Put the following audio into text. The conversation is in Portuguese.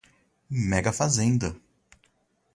Mega fazenda